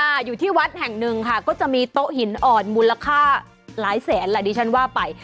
อยู่ที่วัดแห่งหนึ่งค่ะก็จะมีโต๊ะหินอ่อนมูลค่าหลายแสนแหละดิฉันว่าไป